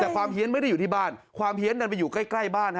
แต่ความเฮียนไม่ได้อยู่ที่บ้านความเฮียนดันไปอยู่ใกล้บ้านฮะ